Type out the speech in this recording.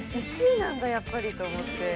１位なんだ、やっぱりと思って。